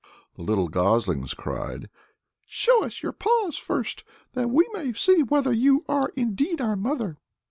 The little goslings cried, "Show us your paws first, that we may see whether you are indeed our mother."